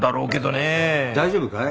大丈夫かい？